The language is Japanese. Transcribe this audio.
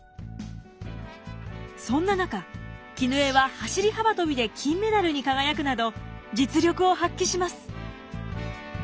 そんな中絹枝は走り幅跳びで金メダルに輝くなど実力を発揮します。